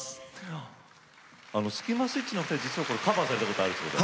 スキマスイッチのお二人実はこれカバーされたことあるそうで。